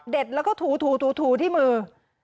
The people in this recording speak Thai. แล้วก็ถูที่มือ